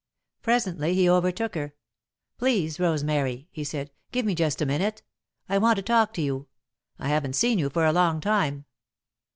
Presently he overtook her. "Please, Rosemary," he said, "give me just a minute. I want to talk to you. I haven't seen you for a long time."